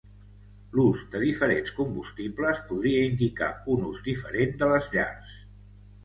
L'ús de diferents combustibles podria indicar un ús diferent de les llars.